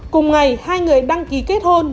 cùng ngày hai người đăng ký kết hôn